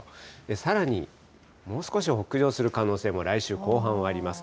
さらに、もう少し北上する可能性も来週後半はあります。